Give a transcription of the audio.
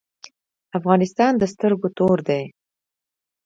افغانستان د سترګو تور دی؟